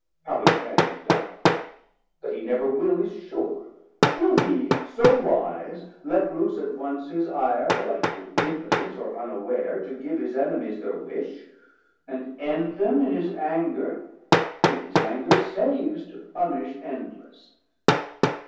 how he can Is doubtful; that he never will is sure. Will he, so wise, let loose at once his ire, Belike through impotence, or unaware, To give his Enemies thir wish, and end Them in his anger, whom his anger saves To punish endless?